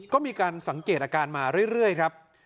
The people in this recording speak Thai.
ก็มีการสังเกตอาการมาเรื่อยครับ